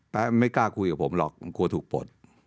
ไม่กล้าคุยกับผมหรอกผมกลัวถูกปลด